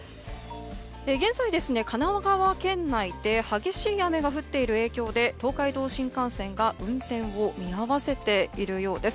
現在、神奈川県内で激しい雨が降っている影響で東海道新幹線が運転を見合わせているようです。